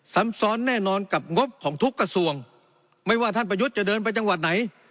ซ้ำซ้อนแน่นอนกับงบของทุกกระทรวงไม่ว่าท่านประยุทธ์จะเดินไปจังหวัดไหน